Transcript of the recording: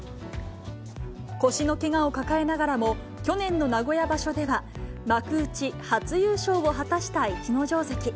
腰のけがを抱えながらも、去年の名古屋場所では、幕内初優勝を果たした逸ノ城関。